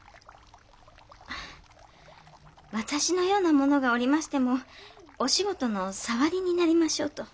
私のようなものがおりましてもお仕事の障りになりましょうと。